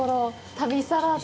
旅サラダ。